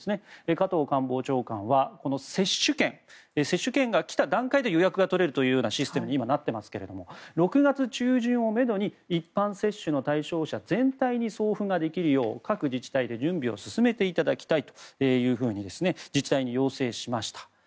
加藤官房長官はこの接種券が来た段階で予約が取れるというシステムに今、なっていますが６月中旬をめどに一般接種の対象者全体に送付ができるよう、各自治体で準備を進めていただきたいと自治体に要請しました。